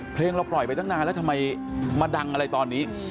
เพลงเราปล่อยไปตั้งนานแล้วทำไมมาดังอะไรตอนนี้